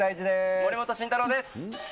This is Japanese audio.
森本慎太郎です。